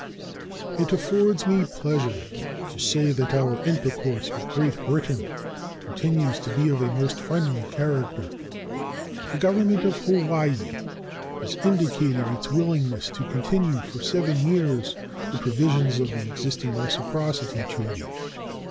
It affords me pleasure to say that our intercourse with Great Britain continues to be of a most friendly character. The Government of Hawaii has indicated its willingness to continue for seven years the provisions of the existing reciprocity treaty.